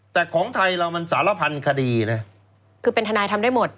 แต่ของไทยเรามันสารพันคดีนะคือเป็นทนายทำได้หมด